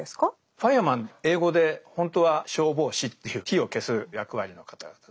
ファイアマン英語でほんとは「消防士」という火を消す役割の方々ですよね。